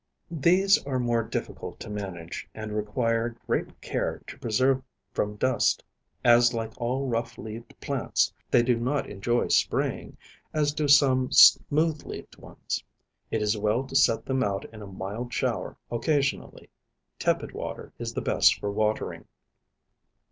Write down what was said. These are more difficult to manage, and require great care to preserve from dust, as like all rough leaved plants, they do not enjoy spraying, as do smooth leaved ones. It is well to set them out in a mild shower occasionally. Tepid water is the best for watering.